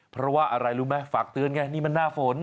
เพราะว่าอะไรรู้ไหมฝากเตือนไงนี่มันหน้าฝน